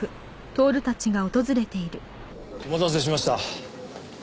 お待たせしました。